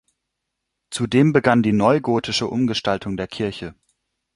Zudem begann die neugotische Umgestaltung der Kirche.